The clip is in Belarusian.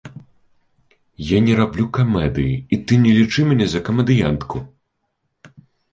Я не раблю камедыі, і ты не лічы мяне за камедыянтку!